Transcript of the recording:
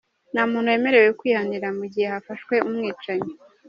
Nta muntu wemerewe kwihanira mu gihe hafashwe umwicanyi.